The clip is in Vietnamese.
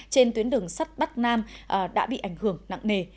trên tuyến đường sắt bắc nam đã bị ảnh hưởng nặng nề